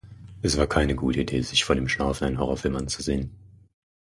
Es war keine gute Idee, sich vor dem Schlafen einen Horrorfilm anzusehen.